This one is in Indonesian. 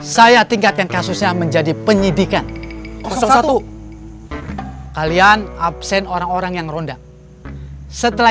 saya tingkatkan kasusnya menjadi penyidikan satu kalian absen orang orang yang ronda setelah